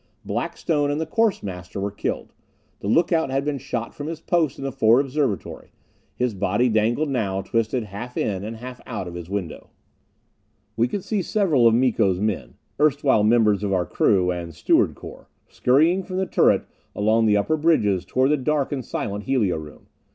Blackstone and the course master were killed. The lookout had been shot from his post in the forward observatory. His body dangled now, twisted half in and half out of his window. We could see several of Miko's men erstwhile members of our crew and steward corps scurrying from the turret along the upper bridges toward the dark and silent helio room.